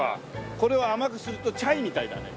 これを甘くするとチャイみたいだね。